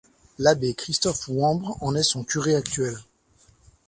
L'abbé Christophe Wambre en est son curé actuel.